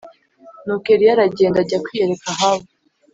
Nuko Eliya aragenda ajya kwiyereka Ahabu